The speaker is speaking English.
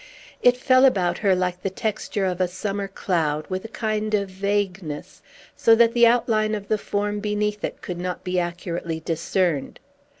It fell about her like the texture of a summer cloud, with a kind of vagueness, so that the outline of the form beneath it could not be accurately discerned.